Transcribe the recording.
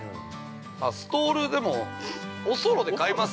◆ストール、でもおそろで買います？